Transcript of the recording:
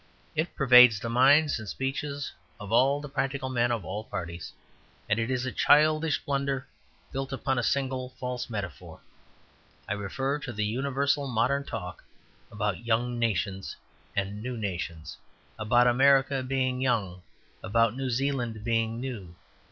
It pervades the minds and speeches of all the practical men of all parties; and it is a childish blunder built upon a single false metaphor. I refer to the universal modern talk about young nations and new nations; about America being young, about New Zealand being new.